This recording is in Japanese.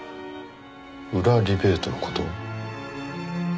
裏リベートの事を？